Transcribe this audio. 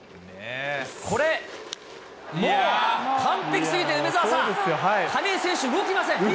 これ、もう、完璧すぎて梅澤さん、亀井選手、動きません。